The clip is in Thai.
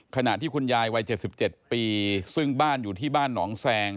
ขณะที่คุณยายวัย๗๗ปีซึ่งบ้านอยู่ที่บ้านหนองแซง